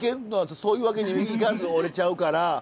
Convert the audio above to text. そういうわけにはいかず折れちゃうから。